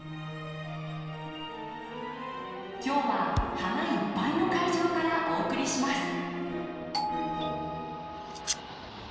今日は花いっぱいの会場からお送りします。